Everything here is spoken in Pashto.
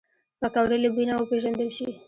پکورې له بوی نه وپیژندل شي